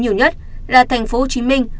nhiều nhất là thành phố hồ chí minh